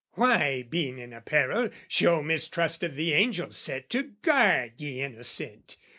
"Why, being in a peril, show mistrust "Of the angels set to guard the innocent?